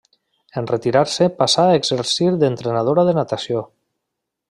En retirar-se passà a exercir d'entrenadora de natació.